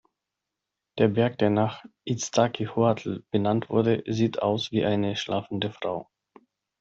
Der Berg, der nach Iztaccíhuatl benannt wurde, sieht aus wie eine schlafende Frau.